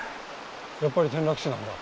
やっぱり転落死なんだ。